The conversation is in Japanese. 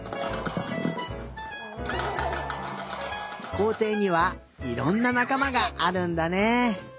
こうていにはいろんななかまがあるんだね。